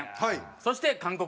そして韓国